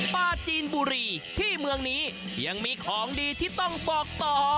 ปลาจีนบุรีที่เมืองนี้ยังมีของดีที่ต้องบอกต่อ